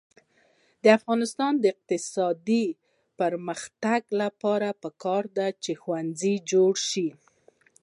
د افغانستان د اقتصادي پرمختګ لپاره پکار ده چې ښوونځي جوړ شي.